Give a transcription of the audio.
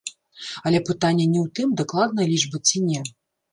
Але пытанне не ў тым, дакладная лічба ці не.